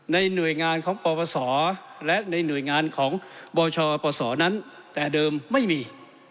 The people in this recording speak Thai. หน่วยงานของปปศและในหน่วยงานของบชปศนั้นแต่เดิมไม่มี